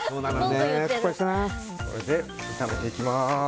これで炒めていきます。